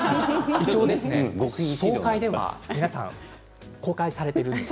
一応、総会では皆さん公開されているんです。